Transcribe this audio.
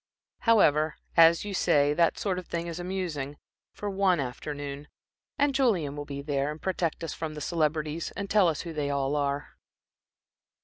However, as you say, that sort of thing is amusing for one afternoon; and Julian will be there, and protect us from the celebrities and tell us who they all are."